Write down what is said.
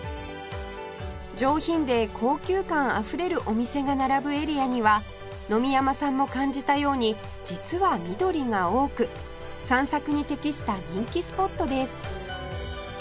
上品で高級感あふれるお店が並ぶエリアには野見山さんも感じたように実は緑が多く散策に適した人気スポットです